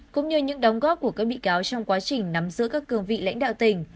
cũng như những đóng góp của các bị cáo trong quá trình nắm giữ các cường vị lãnh đạo tỉnh